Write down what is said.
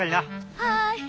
はい！